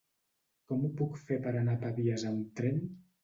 Com ho puc fer per anar a Pavies amb tren?